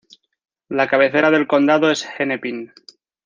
La cabecera del condado es Hennepin.